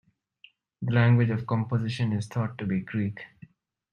The language of composition is thought to be Greek.